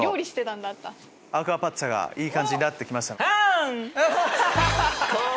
アクアパッツァがいい感じになってきました。